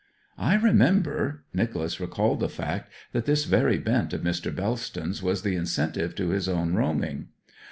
'I remember.' Nicholas recalled the fact that this very bent of Mr. Bellston's was the incentive to his own roaming.